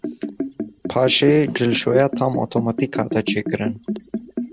Paşê cilşoya tam otomatik hate çêkirin.